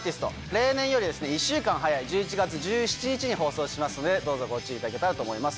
例年より１週間早い１１月１７日に放送しますのでどうぞご注意いただけたらと思います。